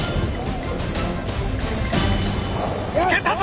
つけたぞ！